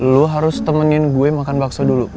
lu harus temenin gue makan bakso dulu